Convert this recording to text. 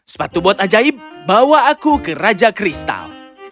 sepatu bot ajaib bawa aku ke raja kristal